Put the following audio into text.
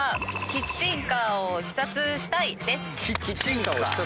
キッチンカー。